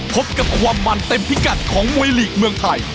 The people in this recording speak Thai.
พบกับความมันเต็มพิกัดของมวยลีกเมืองไทย